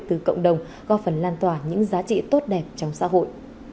từ cộng đồng góp phần lan tỏa những giá trị tốt đẹp trong xã hội